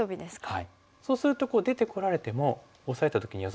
はい。